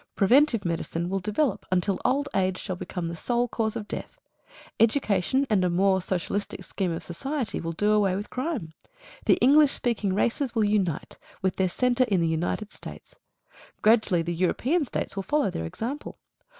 Preventive medicine will develop until old age shall become the sole cause of death. Education and a more socialistic scheme of society will do away with crime. The English speaking races will unite, with their centre in the United States. Gradually the European States will follow their example.